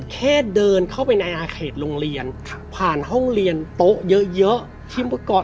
แค่เดินเข้าไปในอาเขตโรงเรียนผ่านห้องเรียนโต๊ะเยอะที่เมื่อก่อน